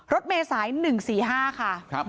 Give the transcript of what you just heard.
รถเมษาย๑๔๕ค่ะ